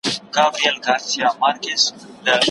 هغه خفه سړی هيڅکله نورو خلکو ته خوښي او انګېزه نسي ورکولای.